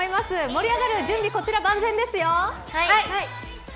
盛り上がる準備万全ですよ。